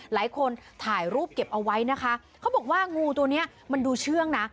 หลายคนถ่ายรูปเก็บเอาไว้นะคะเขาบอกว่างูตัวเนี้ยมันดูเชื่องนะ